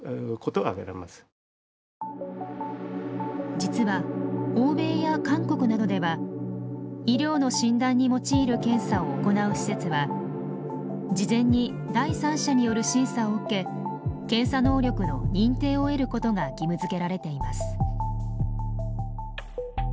実は欧米や韓国などでは医療の診断に用いる検査を行う施設は事前に第三者による審査を受け検査能力の認定を得ることが義務づけられています。